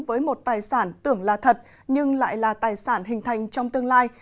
với một tài sản tưởng là thật nhưng lại là tài sản hình thành trong tương lai